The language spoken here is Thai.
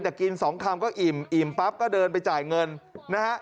แต่กิน๒คำก็อิ่มอิ่มปั๊บก็เดินไปจ่ายเงินนะฮะ